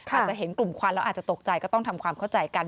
อาจจะเห็นกลุ่มควันแล้วอาจจะตกใจก็ต้องทำความเข้าใจกัน